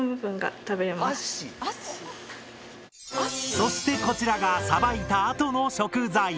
そしてこちらがさばいたあとの食材。